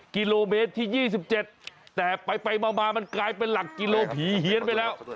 กิโลเมตรที่๒๗แต่ไปมามันกลายเป็นหลักกิโลผีเฮียนไปแล้ว